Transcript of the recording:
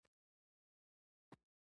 دا باید د هغه د پوهې مطابق وي.